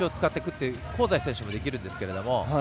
香西選手もできるんですけど。